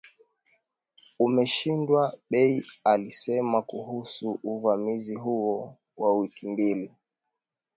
umeshindwa bei alisema kuhusu uvamizi huo wa wiki mbili